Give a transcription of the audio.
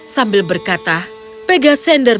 sambil berkata pegasender